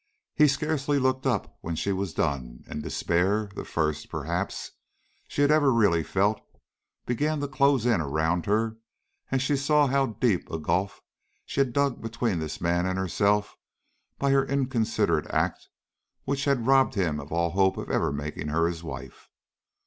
He scarcely looked up when she was done; and despair the first, perhaps, she had ever really felt began to close in around her as she saw how deep a gulf she had dug between this man and herself by the inconsiderate act which had robbed him of all hope of ever making her his wife.